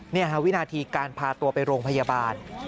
นี่ฮะวินาทีการพาตัวไปโรงพยาบาล